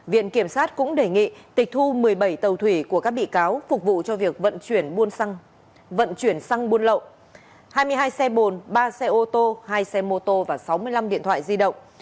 viện kiểm sát cũng đề nghị tịch thu một mươi bảy tàu thủy của các bị cáo phục vụ cho việc vận chuyển buôn lậu hai mươi hai xe bồn ba xe ô tô hai xe mô tô và sáu mươi năm điện thoại di động